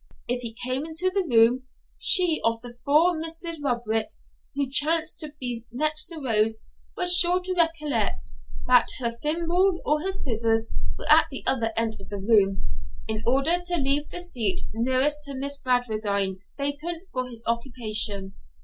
If he came into the room, she of the four Miss Rubricks who chanced to be next Rose was sure to recollect that her thimble or her scissors were at the other end of the room, in order to leave the seat nearest to Miss Bradwardine vacant for his occupation.